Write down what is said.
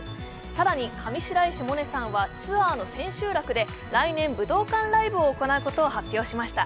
更に上白石萌音さんはツアーの千秋楽で、来年、武道館ライブを行うことを発表しました。